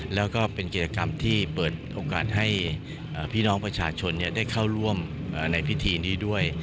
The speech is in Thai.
แล้วก็เป็นกิจกรรมที่เปิดโอกาสให้พี่น้องประชาชนได้เข้าร่วมในพิธีนี้ด้วย